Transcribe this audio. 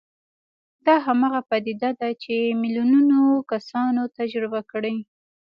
دا هماغه پدیده ده چې میلیونونه کسانو تجربه کړې